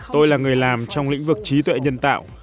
tôi là người làm trong lĩnh vực trí tuệ nhân tạo